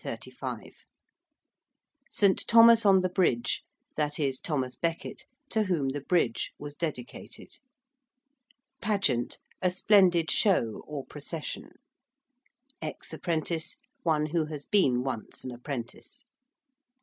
~St. Thomas on the Bridge~: that is, Thomas Becket, to whom the bridge was dedicated. ~pageant~: a splendid show or procession. ~ex apprentice~: one who has been once an apprentice. 17.